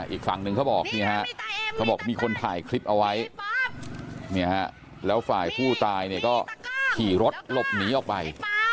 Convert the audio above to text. อีกฝั่งหนึ่งเขาบอกมีคนถ่ายคลิปเอาไว้แล้วฝ่ายผู้ตายก็ขี่รถหลบหนีออกไป